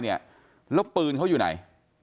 แล้วปืนเขาอยู่ไหน